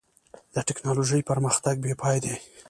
د ټکنالوجۍ پرمختګ بېپای دی.